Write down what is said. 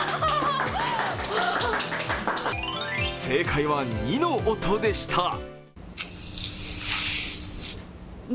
正解は２の音でした。